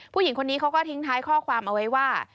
ผู้หญิงคนนี้เขาก็ทิ้งท้ายข้อความเอาไว้ว่า